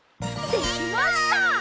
できました！